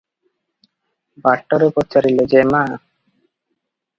ବାଟରେ ପଚାରିଲେ, "ଯେମା ।